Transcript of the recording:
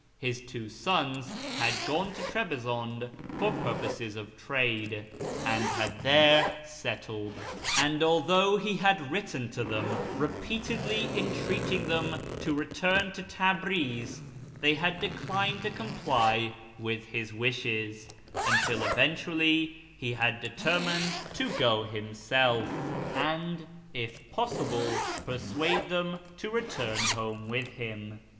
His two sons had gone to Trebizonde for purposes of trade, and had there settled ; and although he had written to them repeatedly entreating them to return to Tabriz, they had declined to comply with his wishes, until eventually lie had determined to go himself, and, if possible, persuade them to return home with him.